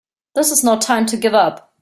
This is no time to give up!